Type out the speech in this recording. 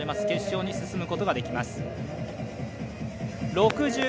決勝に進むことができます。